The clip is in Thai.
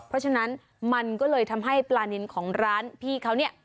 เพราะฉะนั้นมันก็เลยทำให้ปลานินของร้านพี่เขาเนี่ย